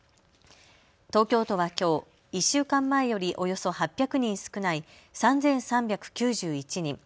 東京とはきょう１週間前よりおよそ８００人少ない３３９１人。